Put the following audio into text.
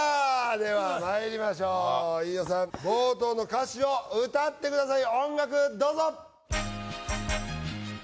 ではまいりましょう飯尾さん冒頭の歌詞を歌ってください